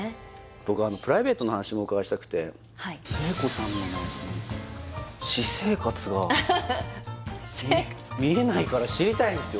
僕はプライベートな話もお伺いしたくて聖子さんのねその私生活が見えないから知りたいんですよ